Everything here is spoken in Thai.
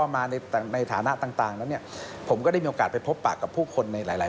มาในในฐานะต่างต่างแล้วเนี่ยผมก็ได้มีโอกาสไปพบปากับผู้คนในหลายหลาย